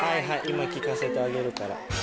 今聞かせてあげるから。